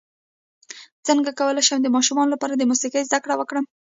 څنګه کولی شم د ماشومانو لپاره د موسیقۍ زدکړه ورکړم